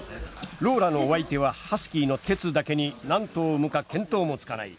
ローラのお相手はハスキーのテツだけに何頭産むか見当もつかない。